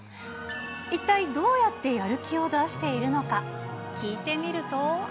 一体どうやってやる気を出しているのか、聞いてみると。